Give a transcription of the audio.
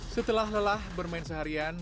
setelah lelah bermain seharian